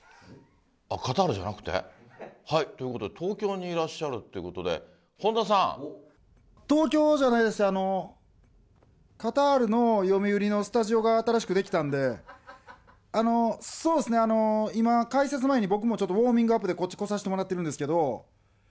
カタールじゃなくて？ということで、東京にいらっしゃるってことで、東京じゃないですよ、カタールの読売のスタジオが新しく出来たんで、あの、そうですね、あの、今、解説前に僕もちょっとウォーミングアップでこっち来させてもらってるんですけど。